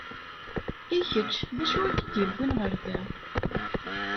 I kečč d acu i k-id-yewwin ɣer da?